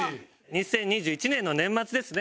２０２１年の年末ですね